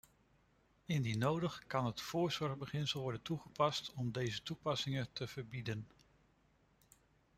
Indien nodig kan het voorzorgsbeginsel worden toegepast om deze toepassingen te verbieden.